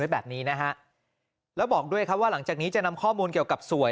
แบบนี้นะฮะแล้วบอกด้วยครับว่าหลังจากนี้จะนำข้อมูลเกี่ยวกับสวย